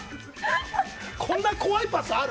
こんな怖いパターンある。